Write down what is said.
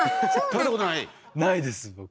ないです僕。